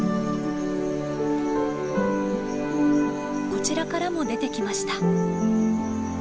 こちらからも出てきました。